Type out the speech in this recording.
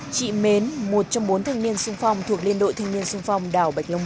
chị mến một trong bốn thanh niên xung phong thuộc liên đội thanh niên xung phong đảo bạch long bắc